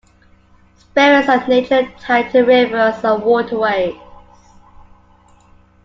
Spirits of nature tied to rivers and waterways.